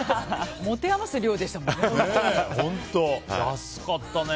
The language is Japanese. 持て余す量でしたもんね。